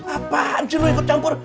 apaan sih lo ikut campur